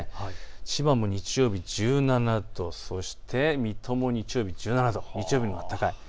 千葉も日曜日、１７度、そして水戸も日曜日１７度、日曜日のほうが高い。